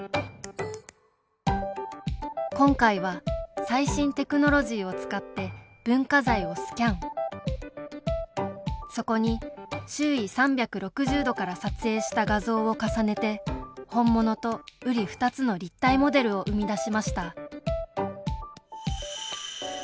今回は最新テクノロジーを使って文化財をスキャンそこに、周囲３６０度から撮影した画像を重ねて本物とうり二つの立体モデルを生み出しました